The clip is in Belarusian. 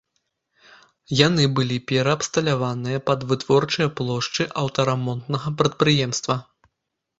Яны былі пераабсталяваныя пад вытворчыя плошчы аўтарамонтнага прадпрыемства.